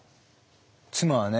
妻はね